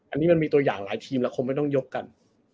อันนี้มันมีตัวอย่างหลายทีมแล้วคงไม่ต้องยกกัน